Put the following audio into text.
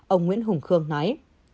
ông nguyễn hùng khương nói